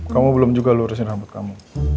kamu belum juga lurusin rambut kamu